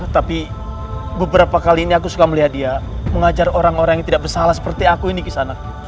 tapi beberapa kali ini aku suka melihat dia mengajar orang orang yang tidak bersalah seperti aku ini di sana